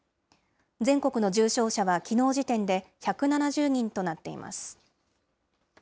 全国の重症者はきのう時点で１７０人となっています。